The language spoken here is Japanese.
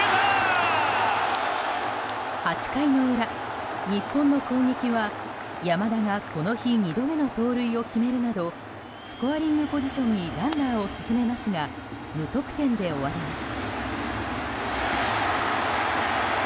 ８回の裏、日本の攻撃は山田がこの日２度目の盗塁を決めるなどスコアリングポジションにランナーを進めますが無得点で終わります。